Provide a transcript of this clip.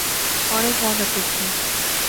অনেক মজা করছি।